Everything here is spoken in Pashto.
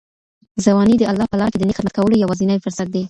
ځواني د الله په لاره کي د نېک خدمت کولو یوازینی فرصت دی.